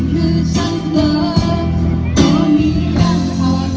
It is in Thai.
ดีจริงจริงคือสันเบิร์ด